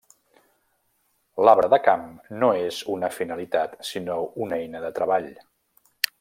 L’arbre de camp no és una finalitat sinó una eina de treball.